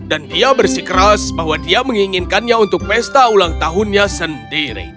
dan dia bersikeras bahwa dia menginginkannya untuk pesta ulang tahunnya sendiri